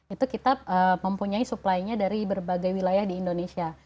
itu kita mempunyai suplainya dari berbagai wilayah di indonesia